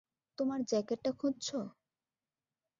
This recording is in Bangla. তোমার জ্যাকেটটা খুঁজছ?